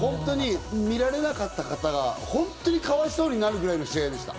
見られなかった方が、ホントにかわいそうになるぐらいの試合でした。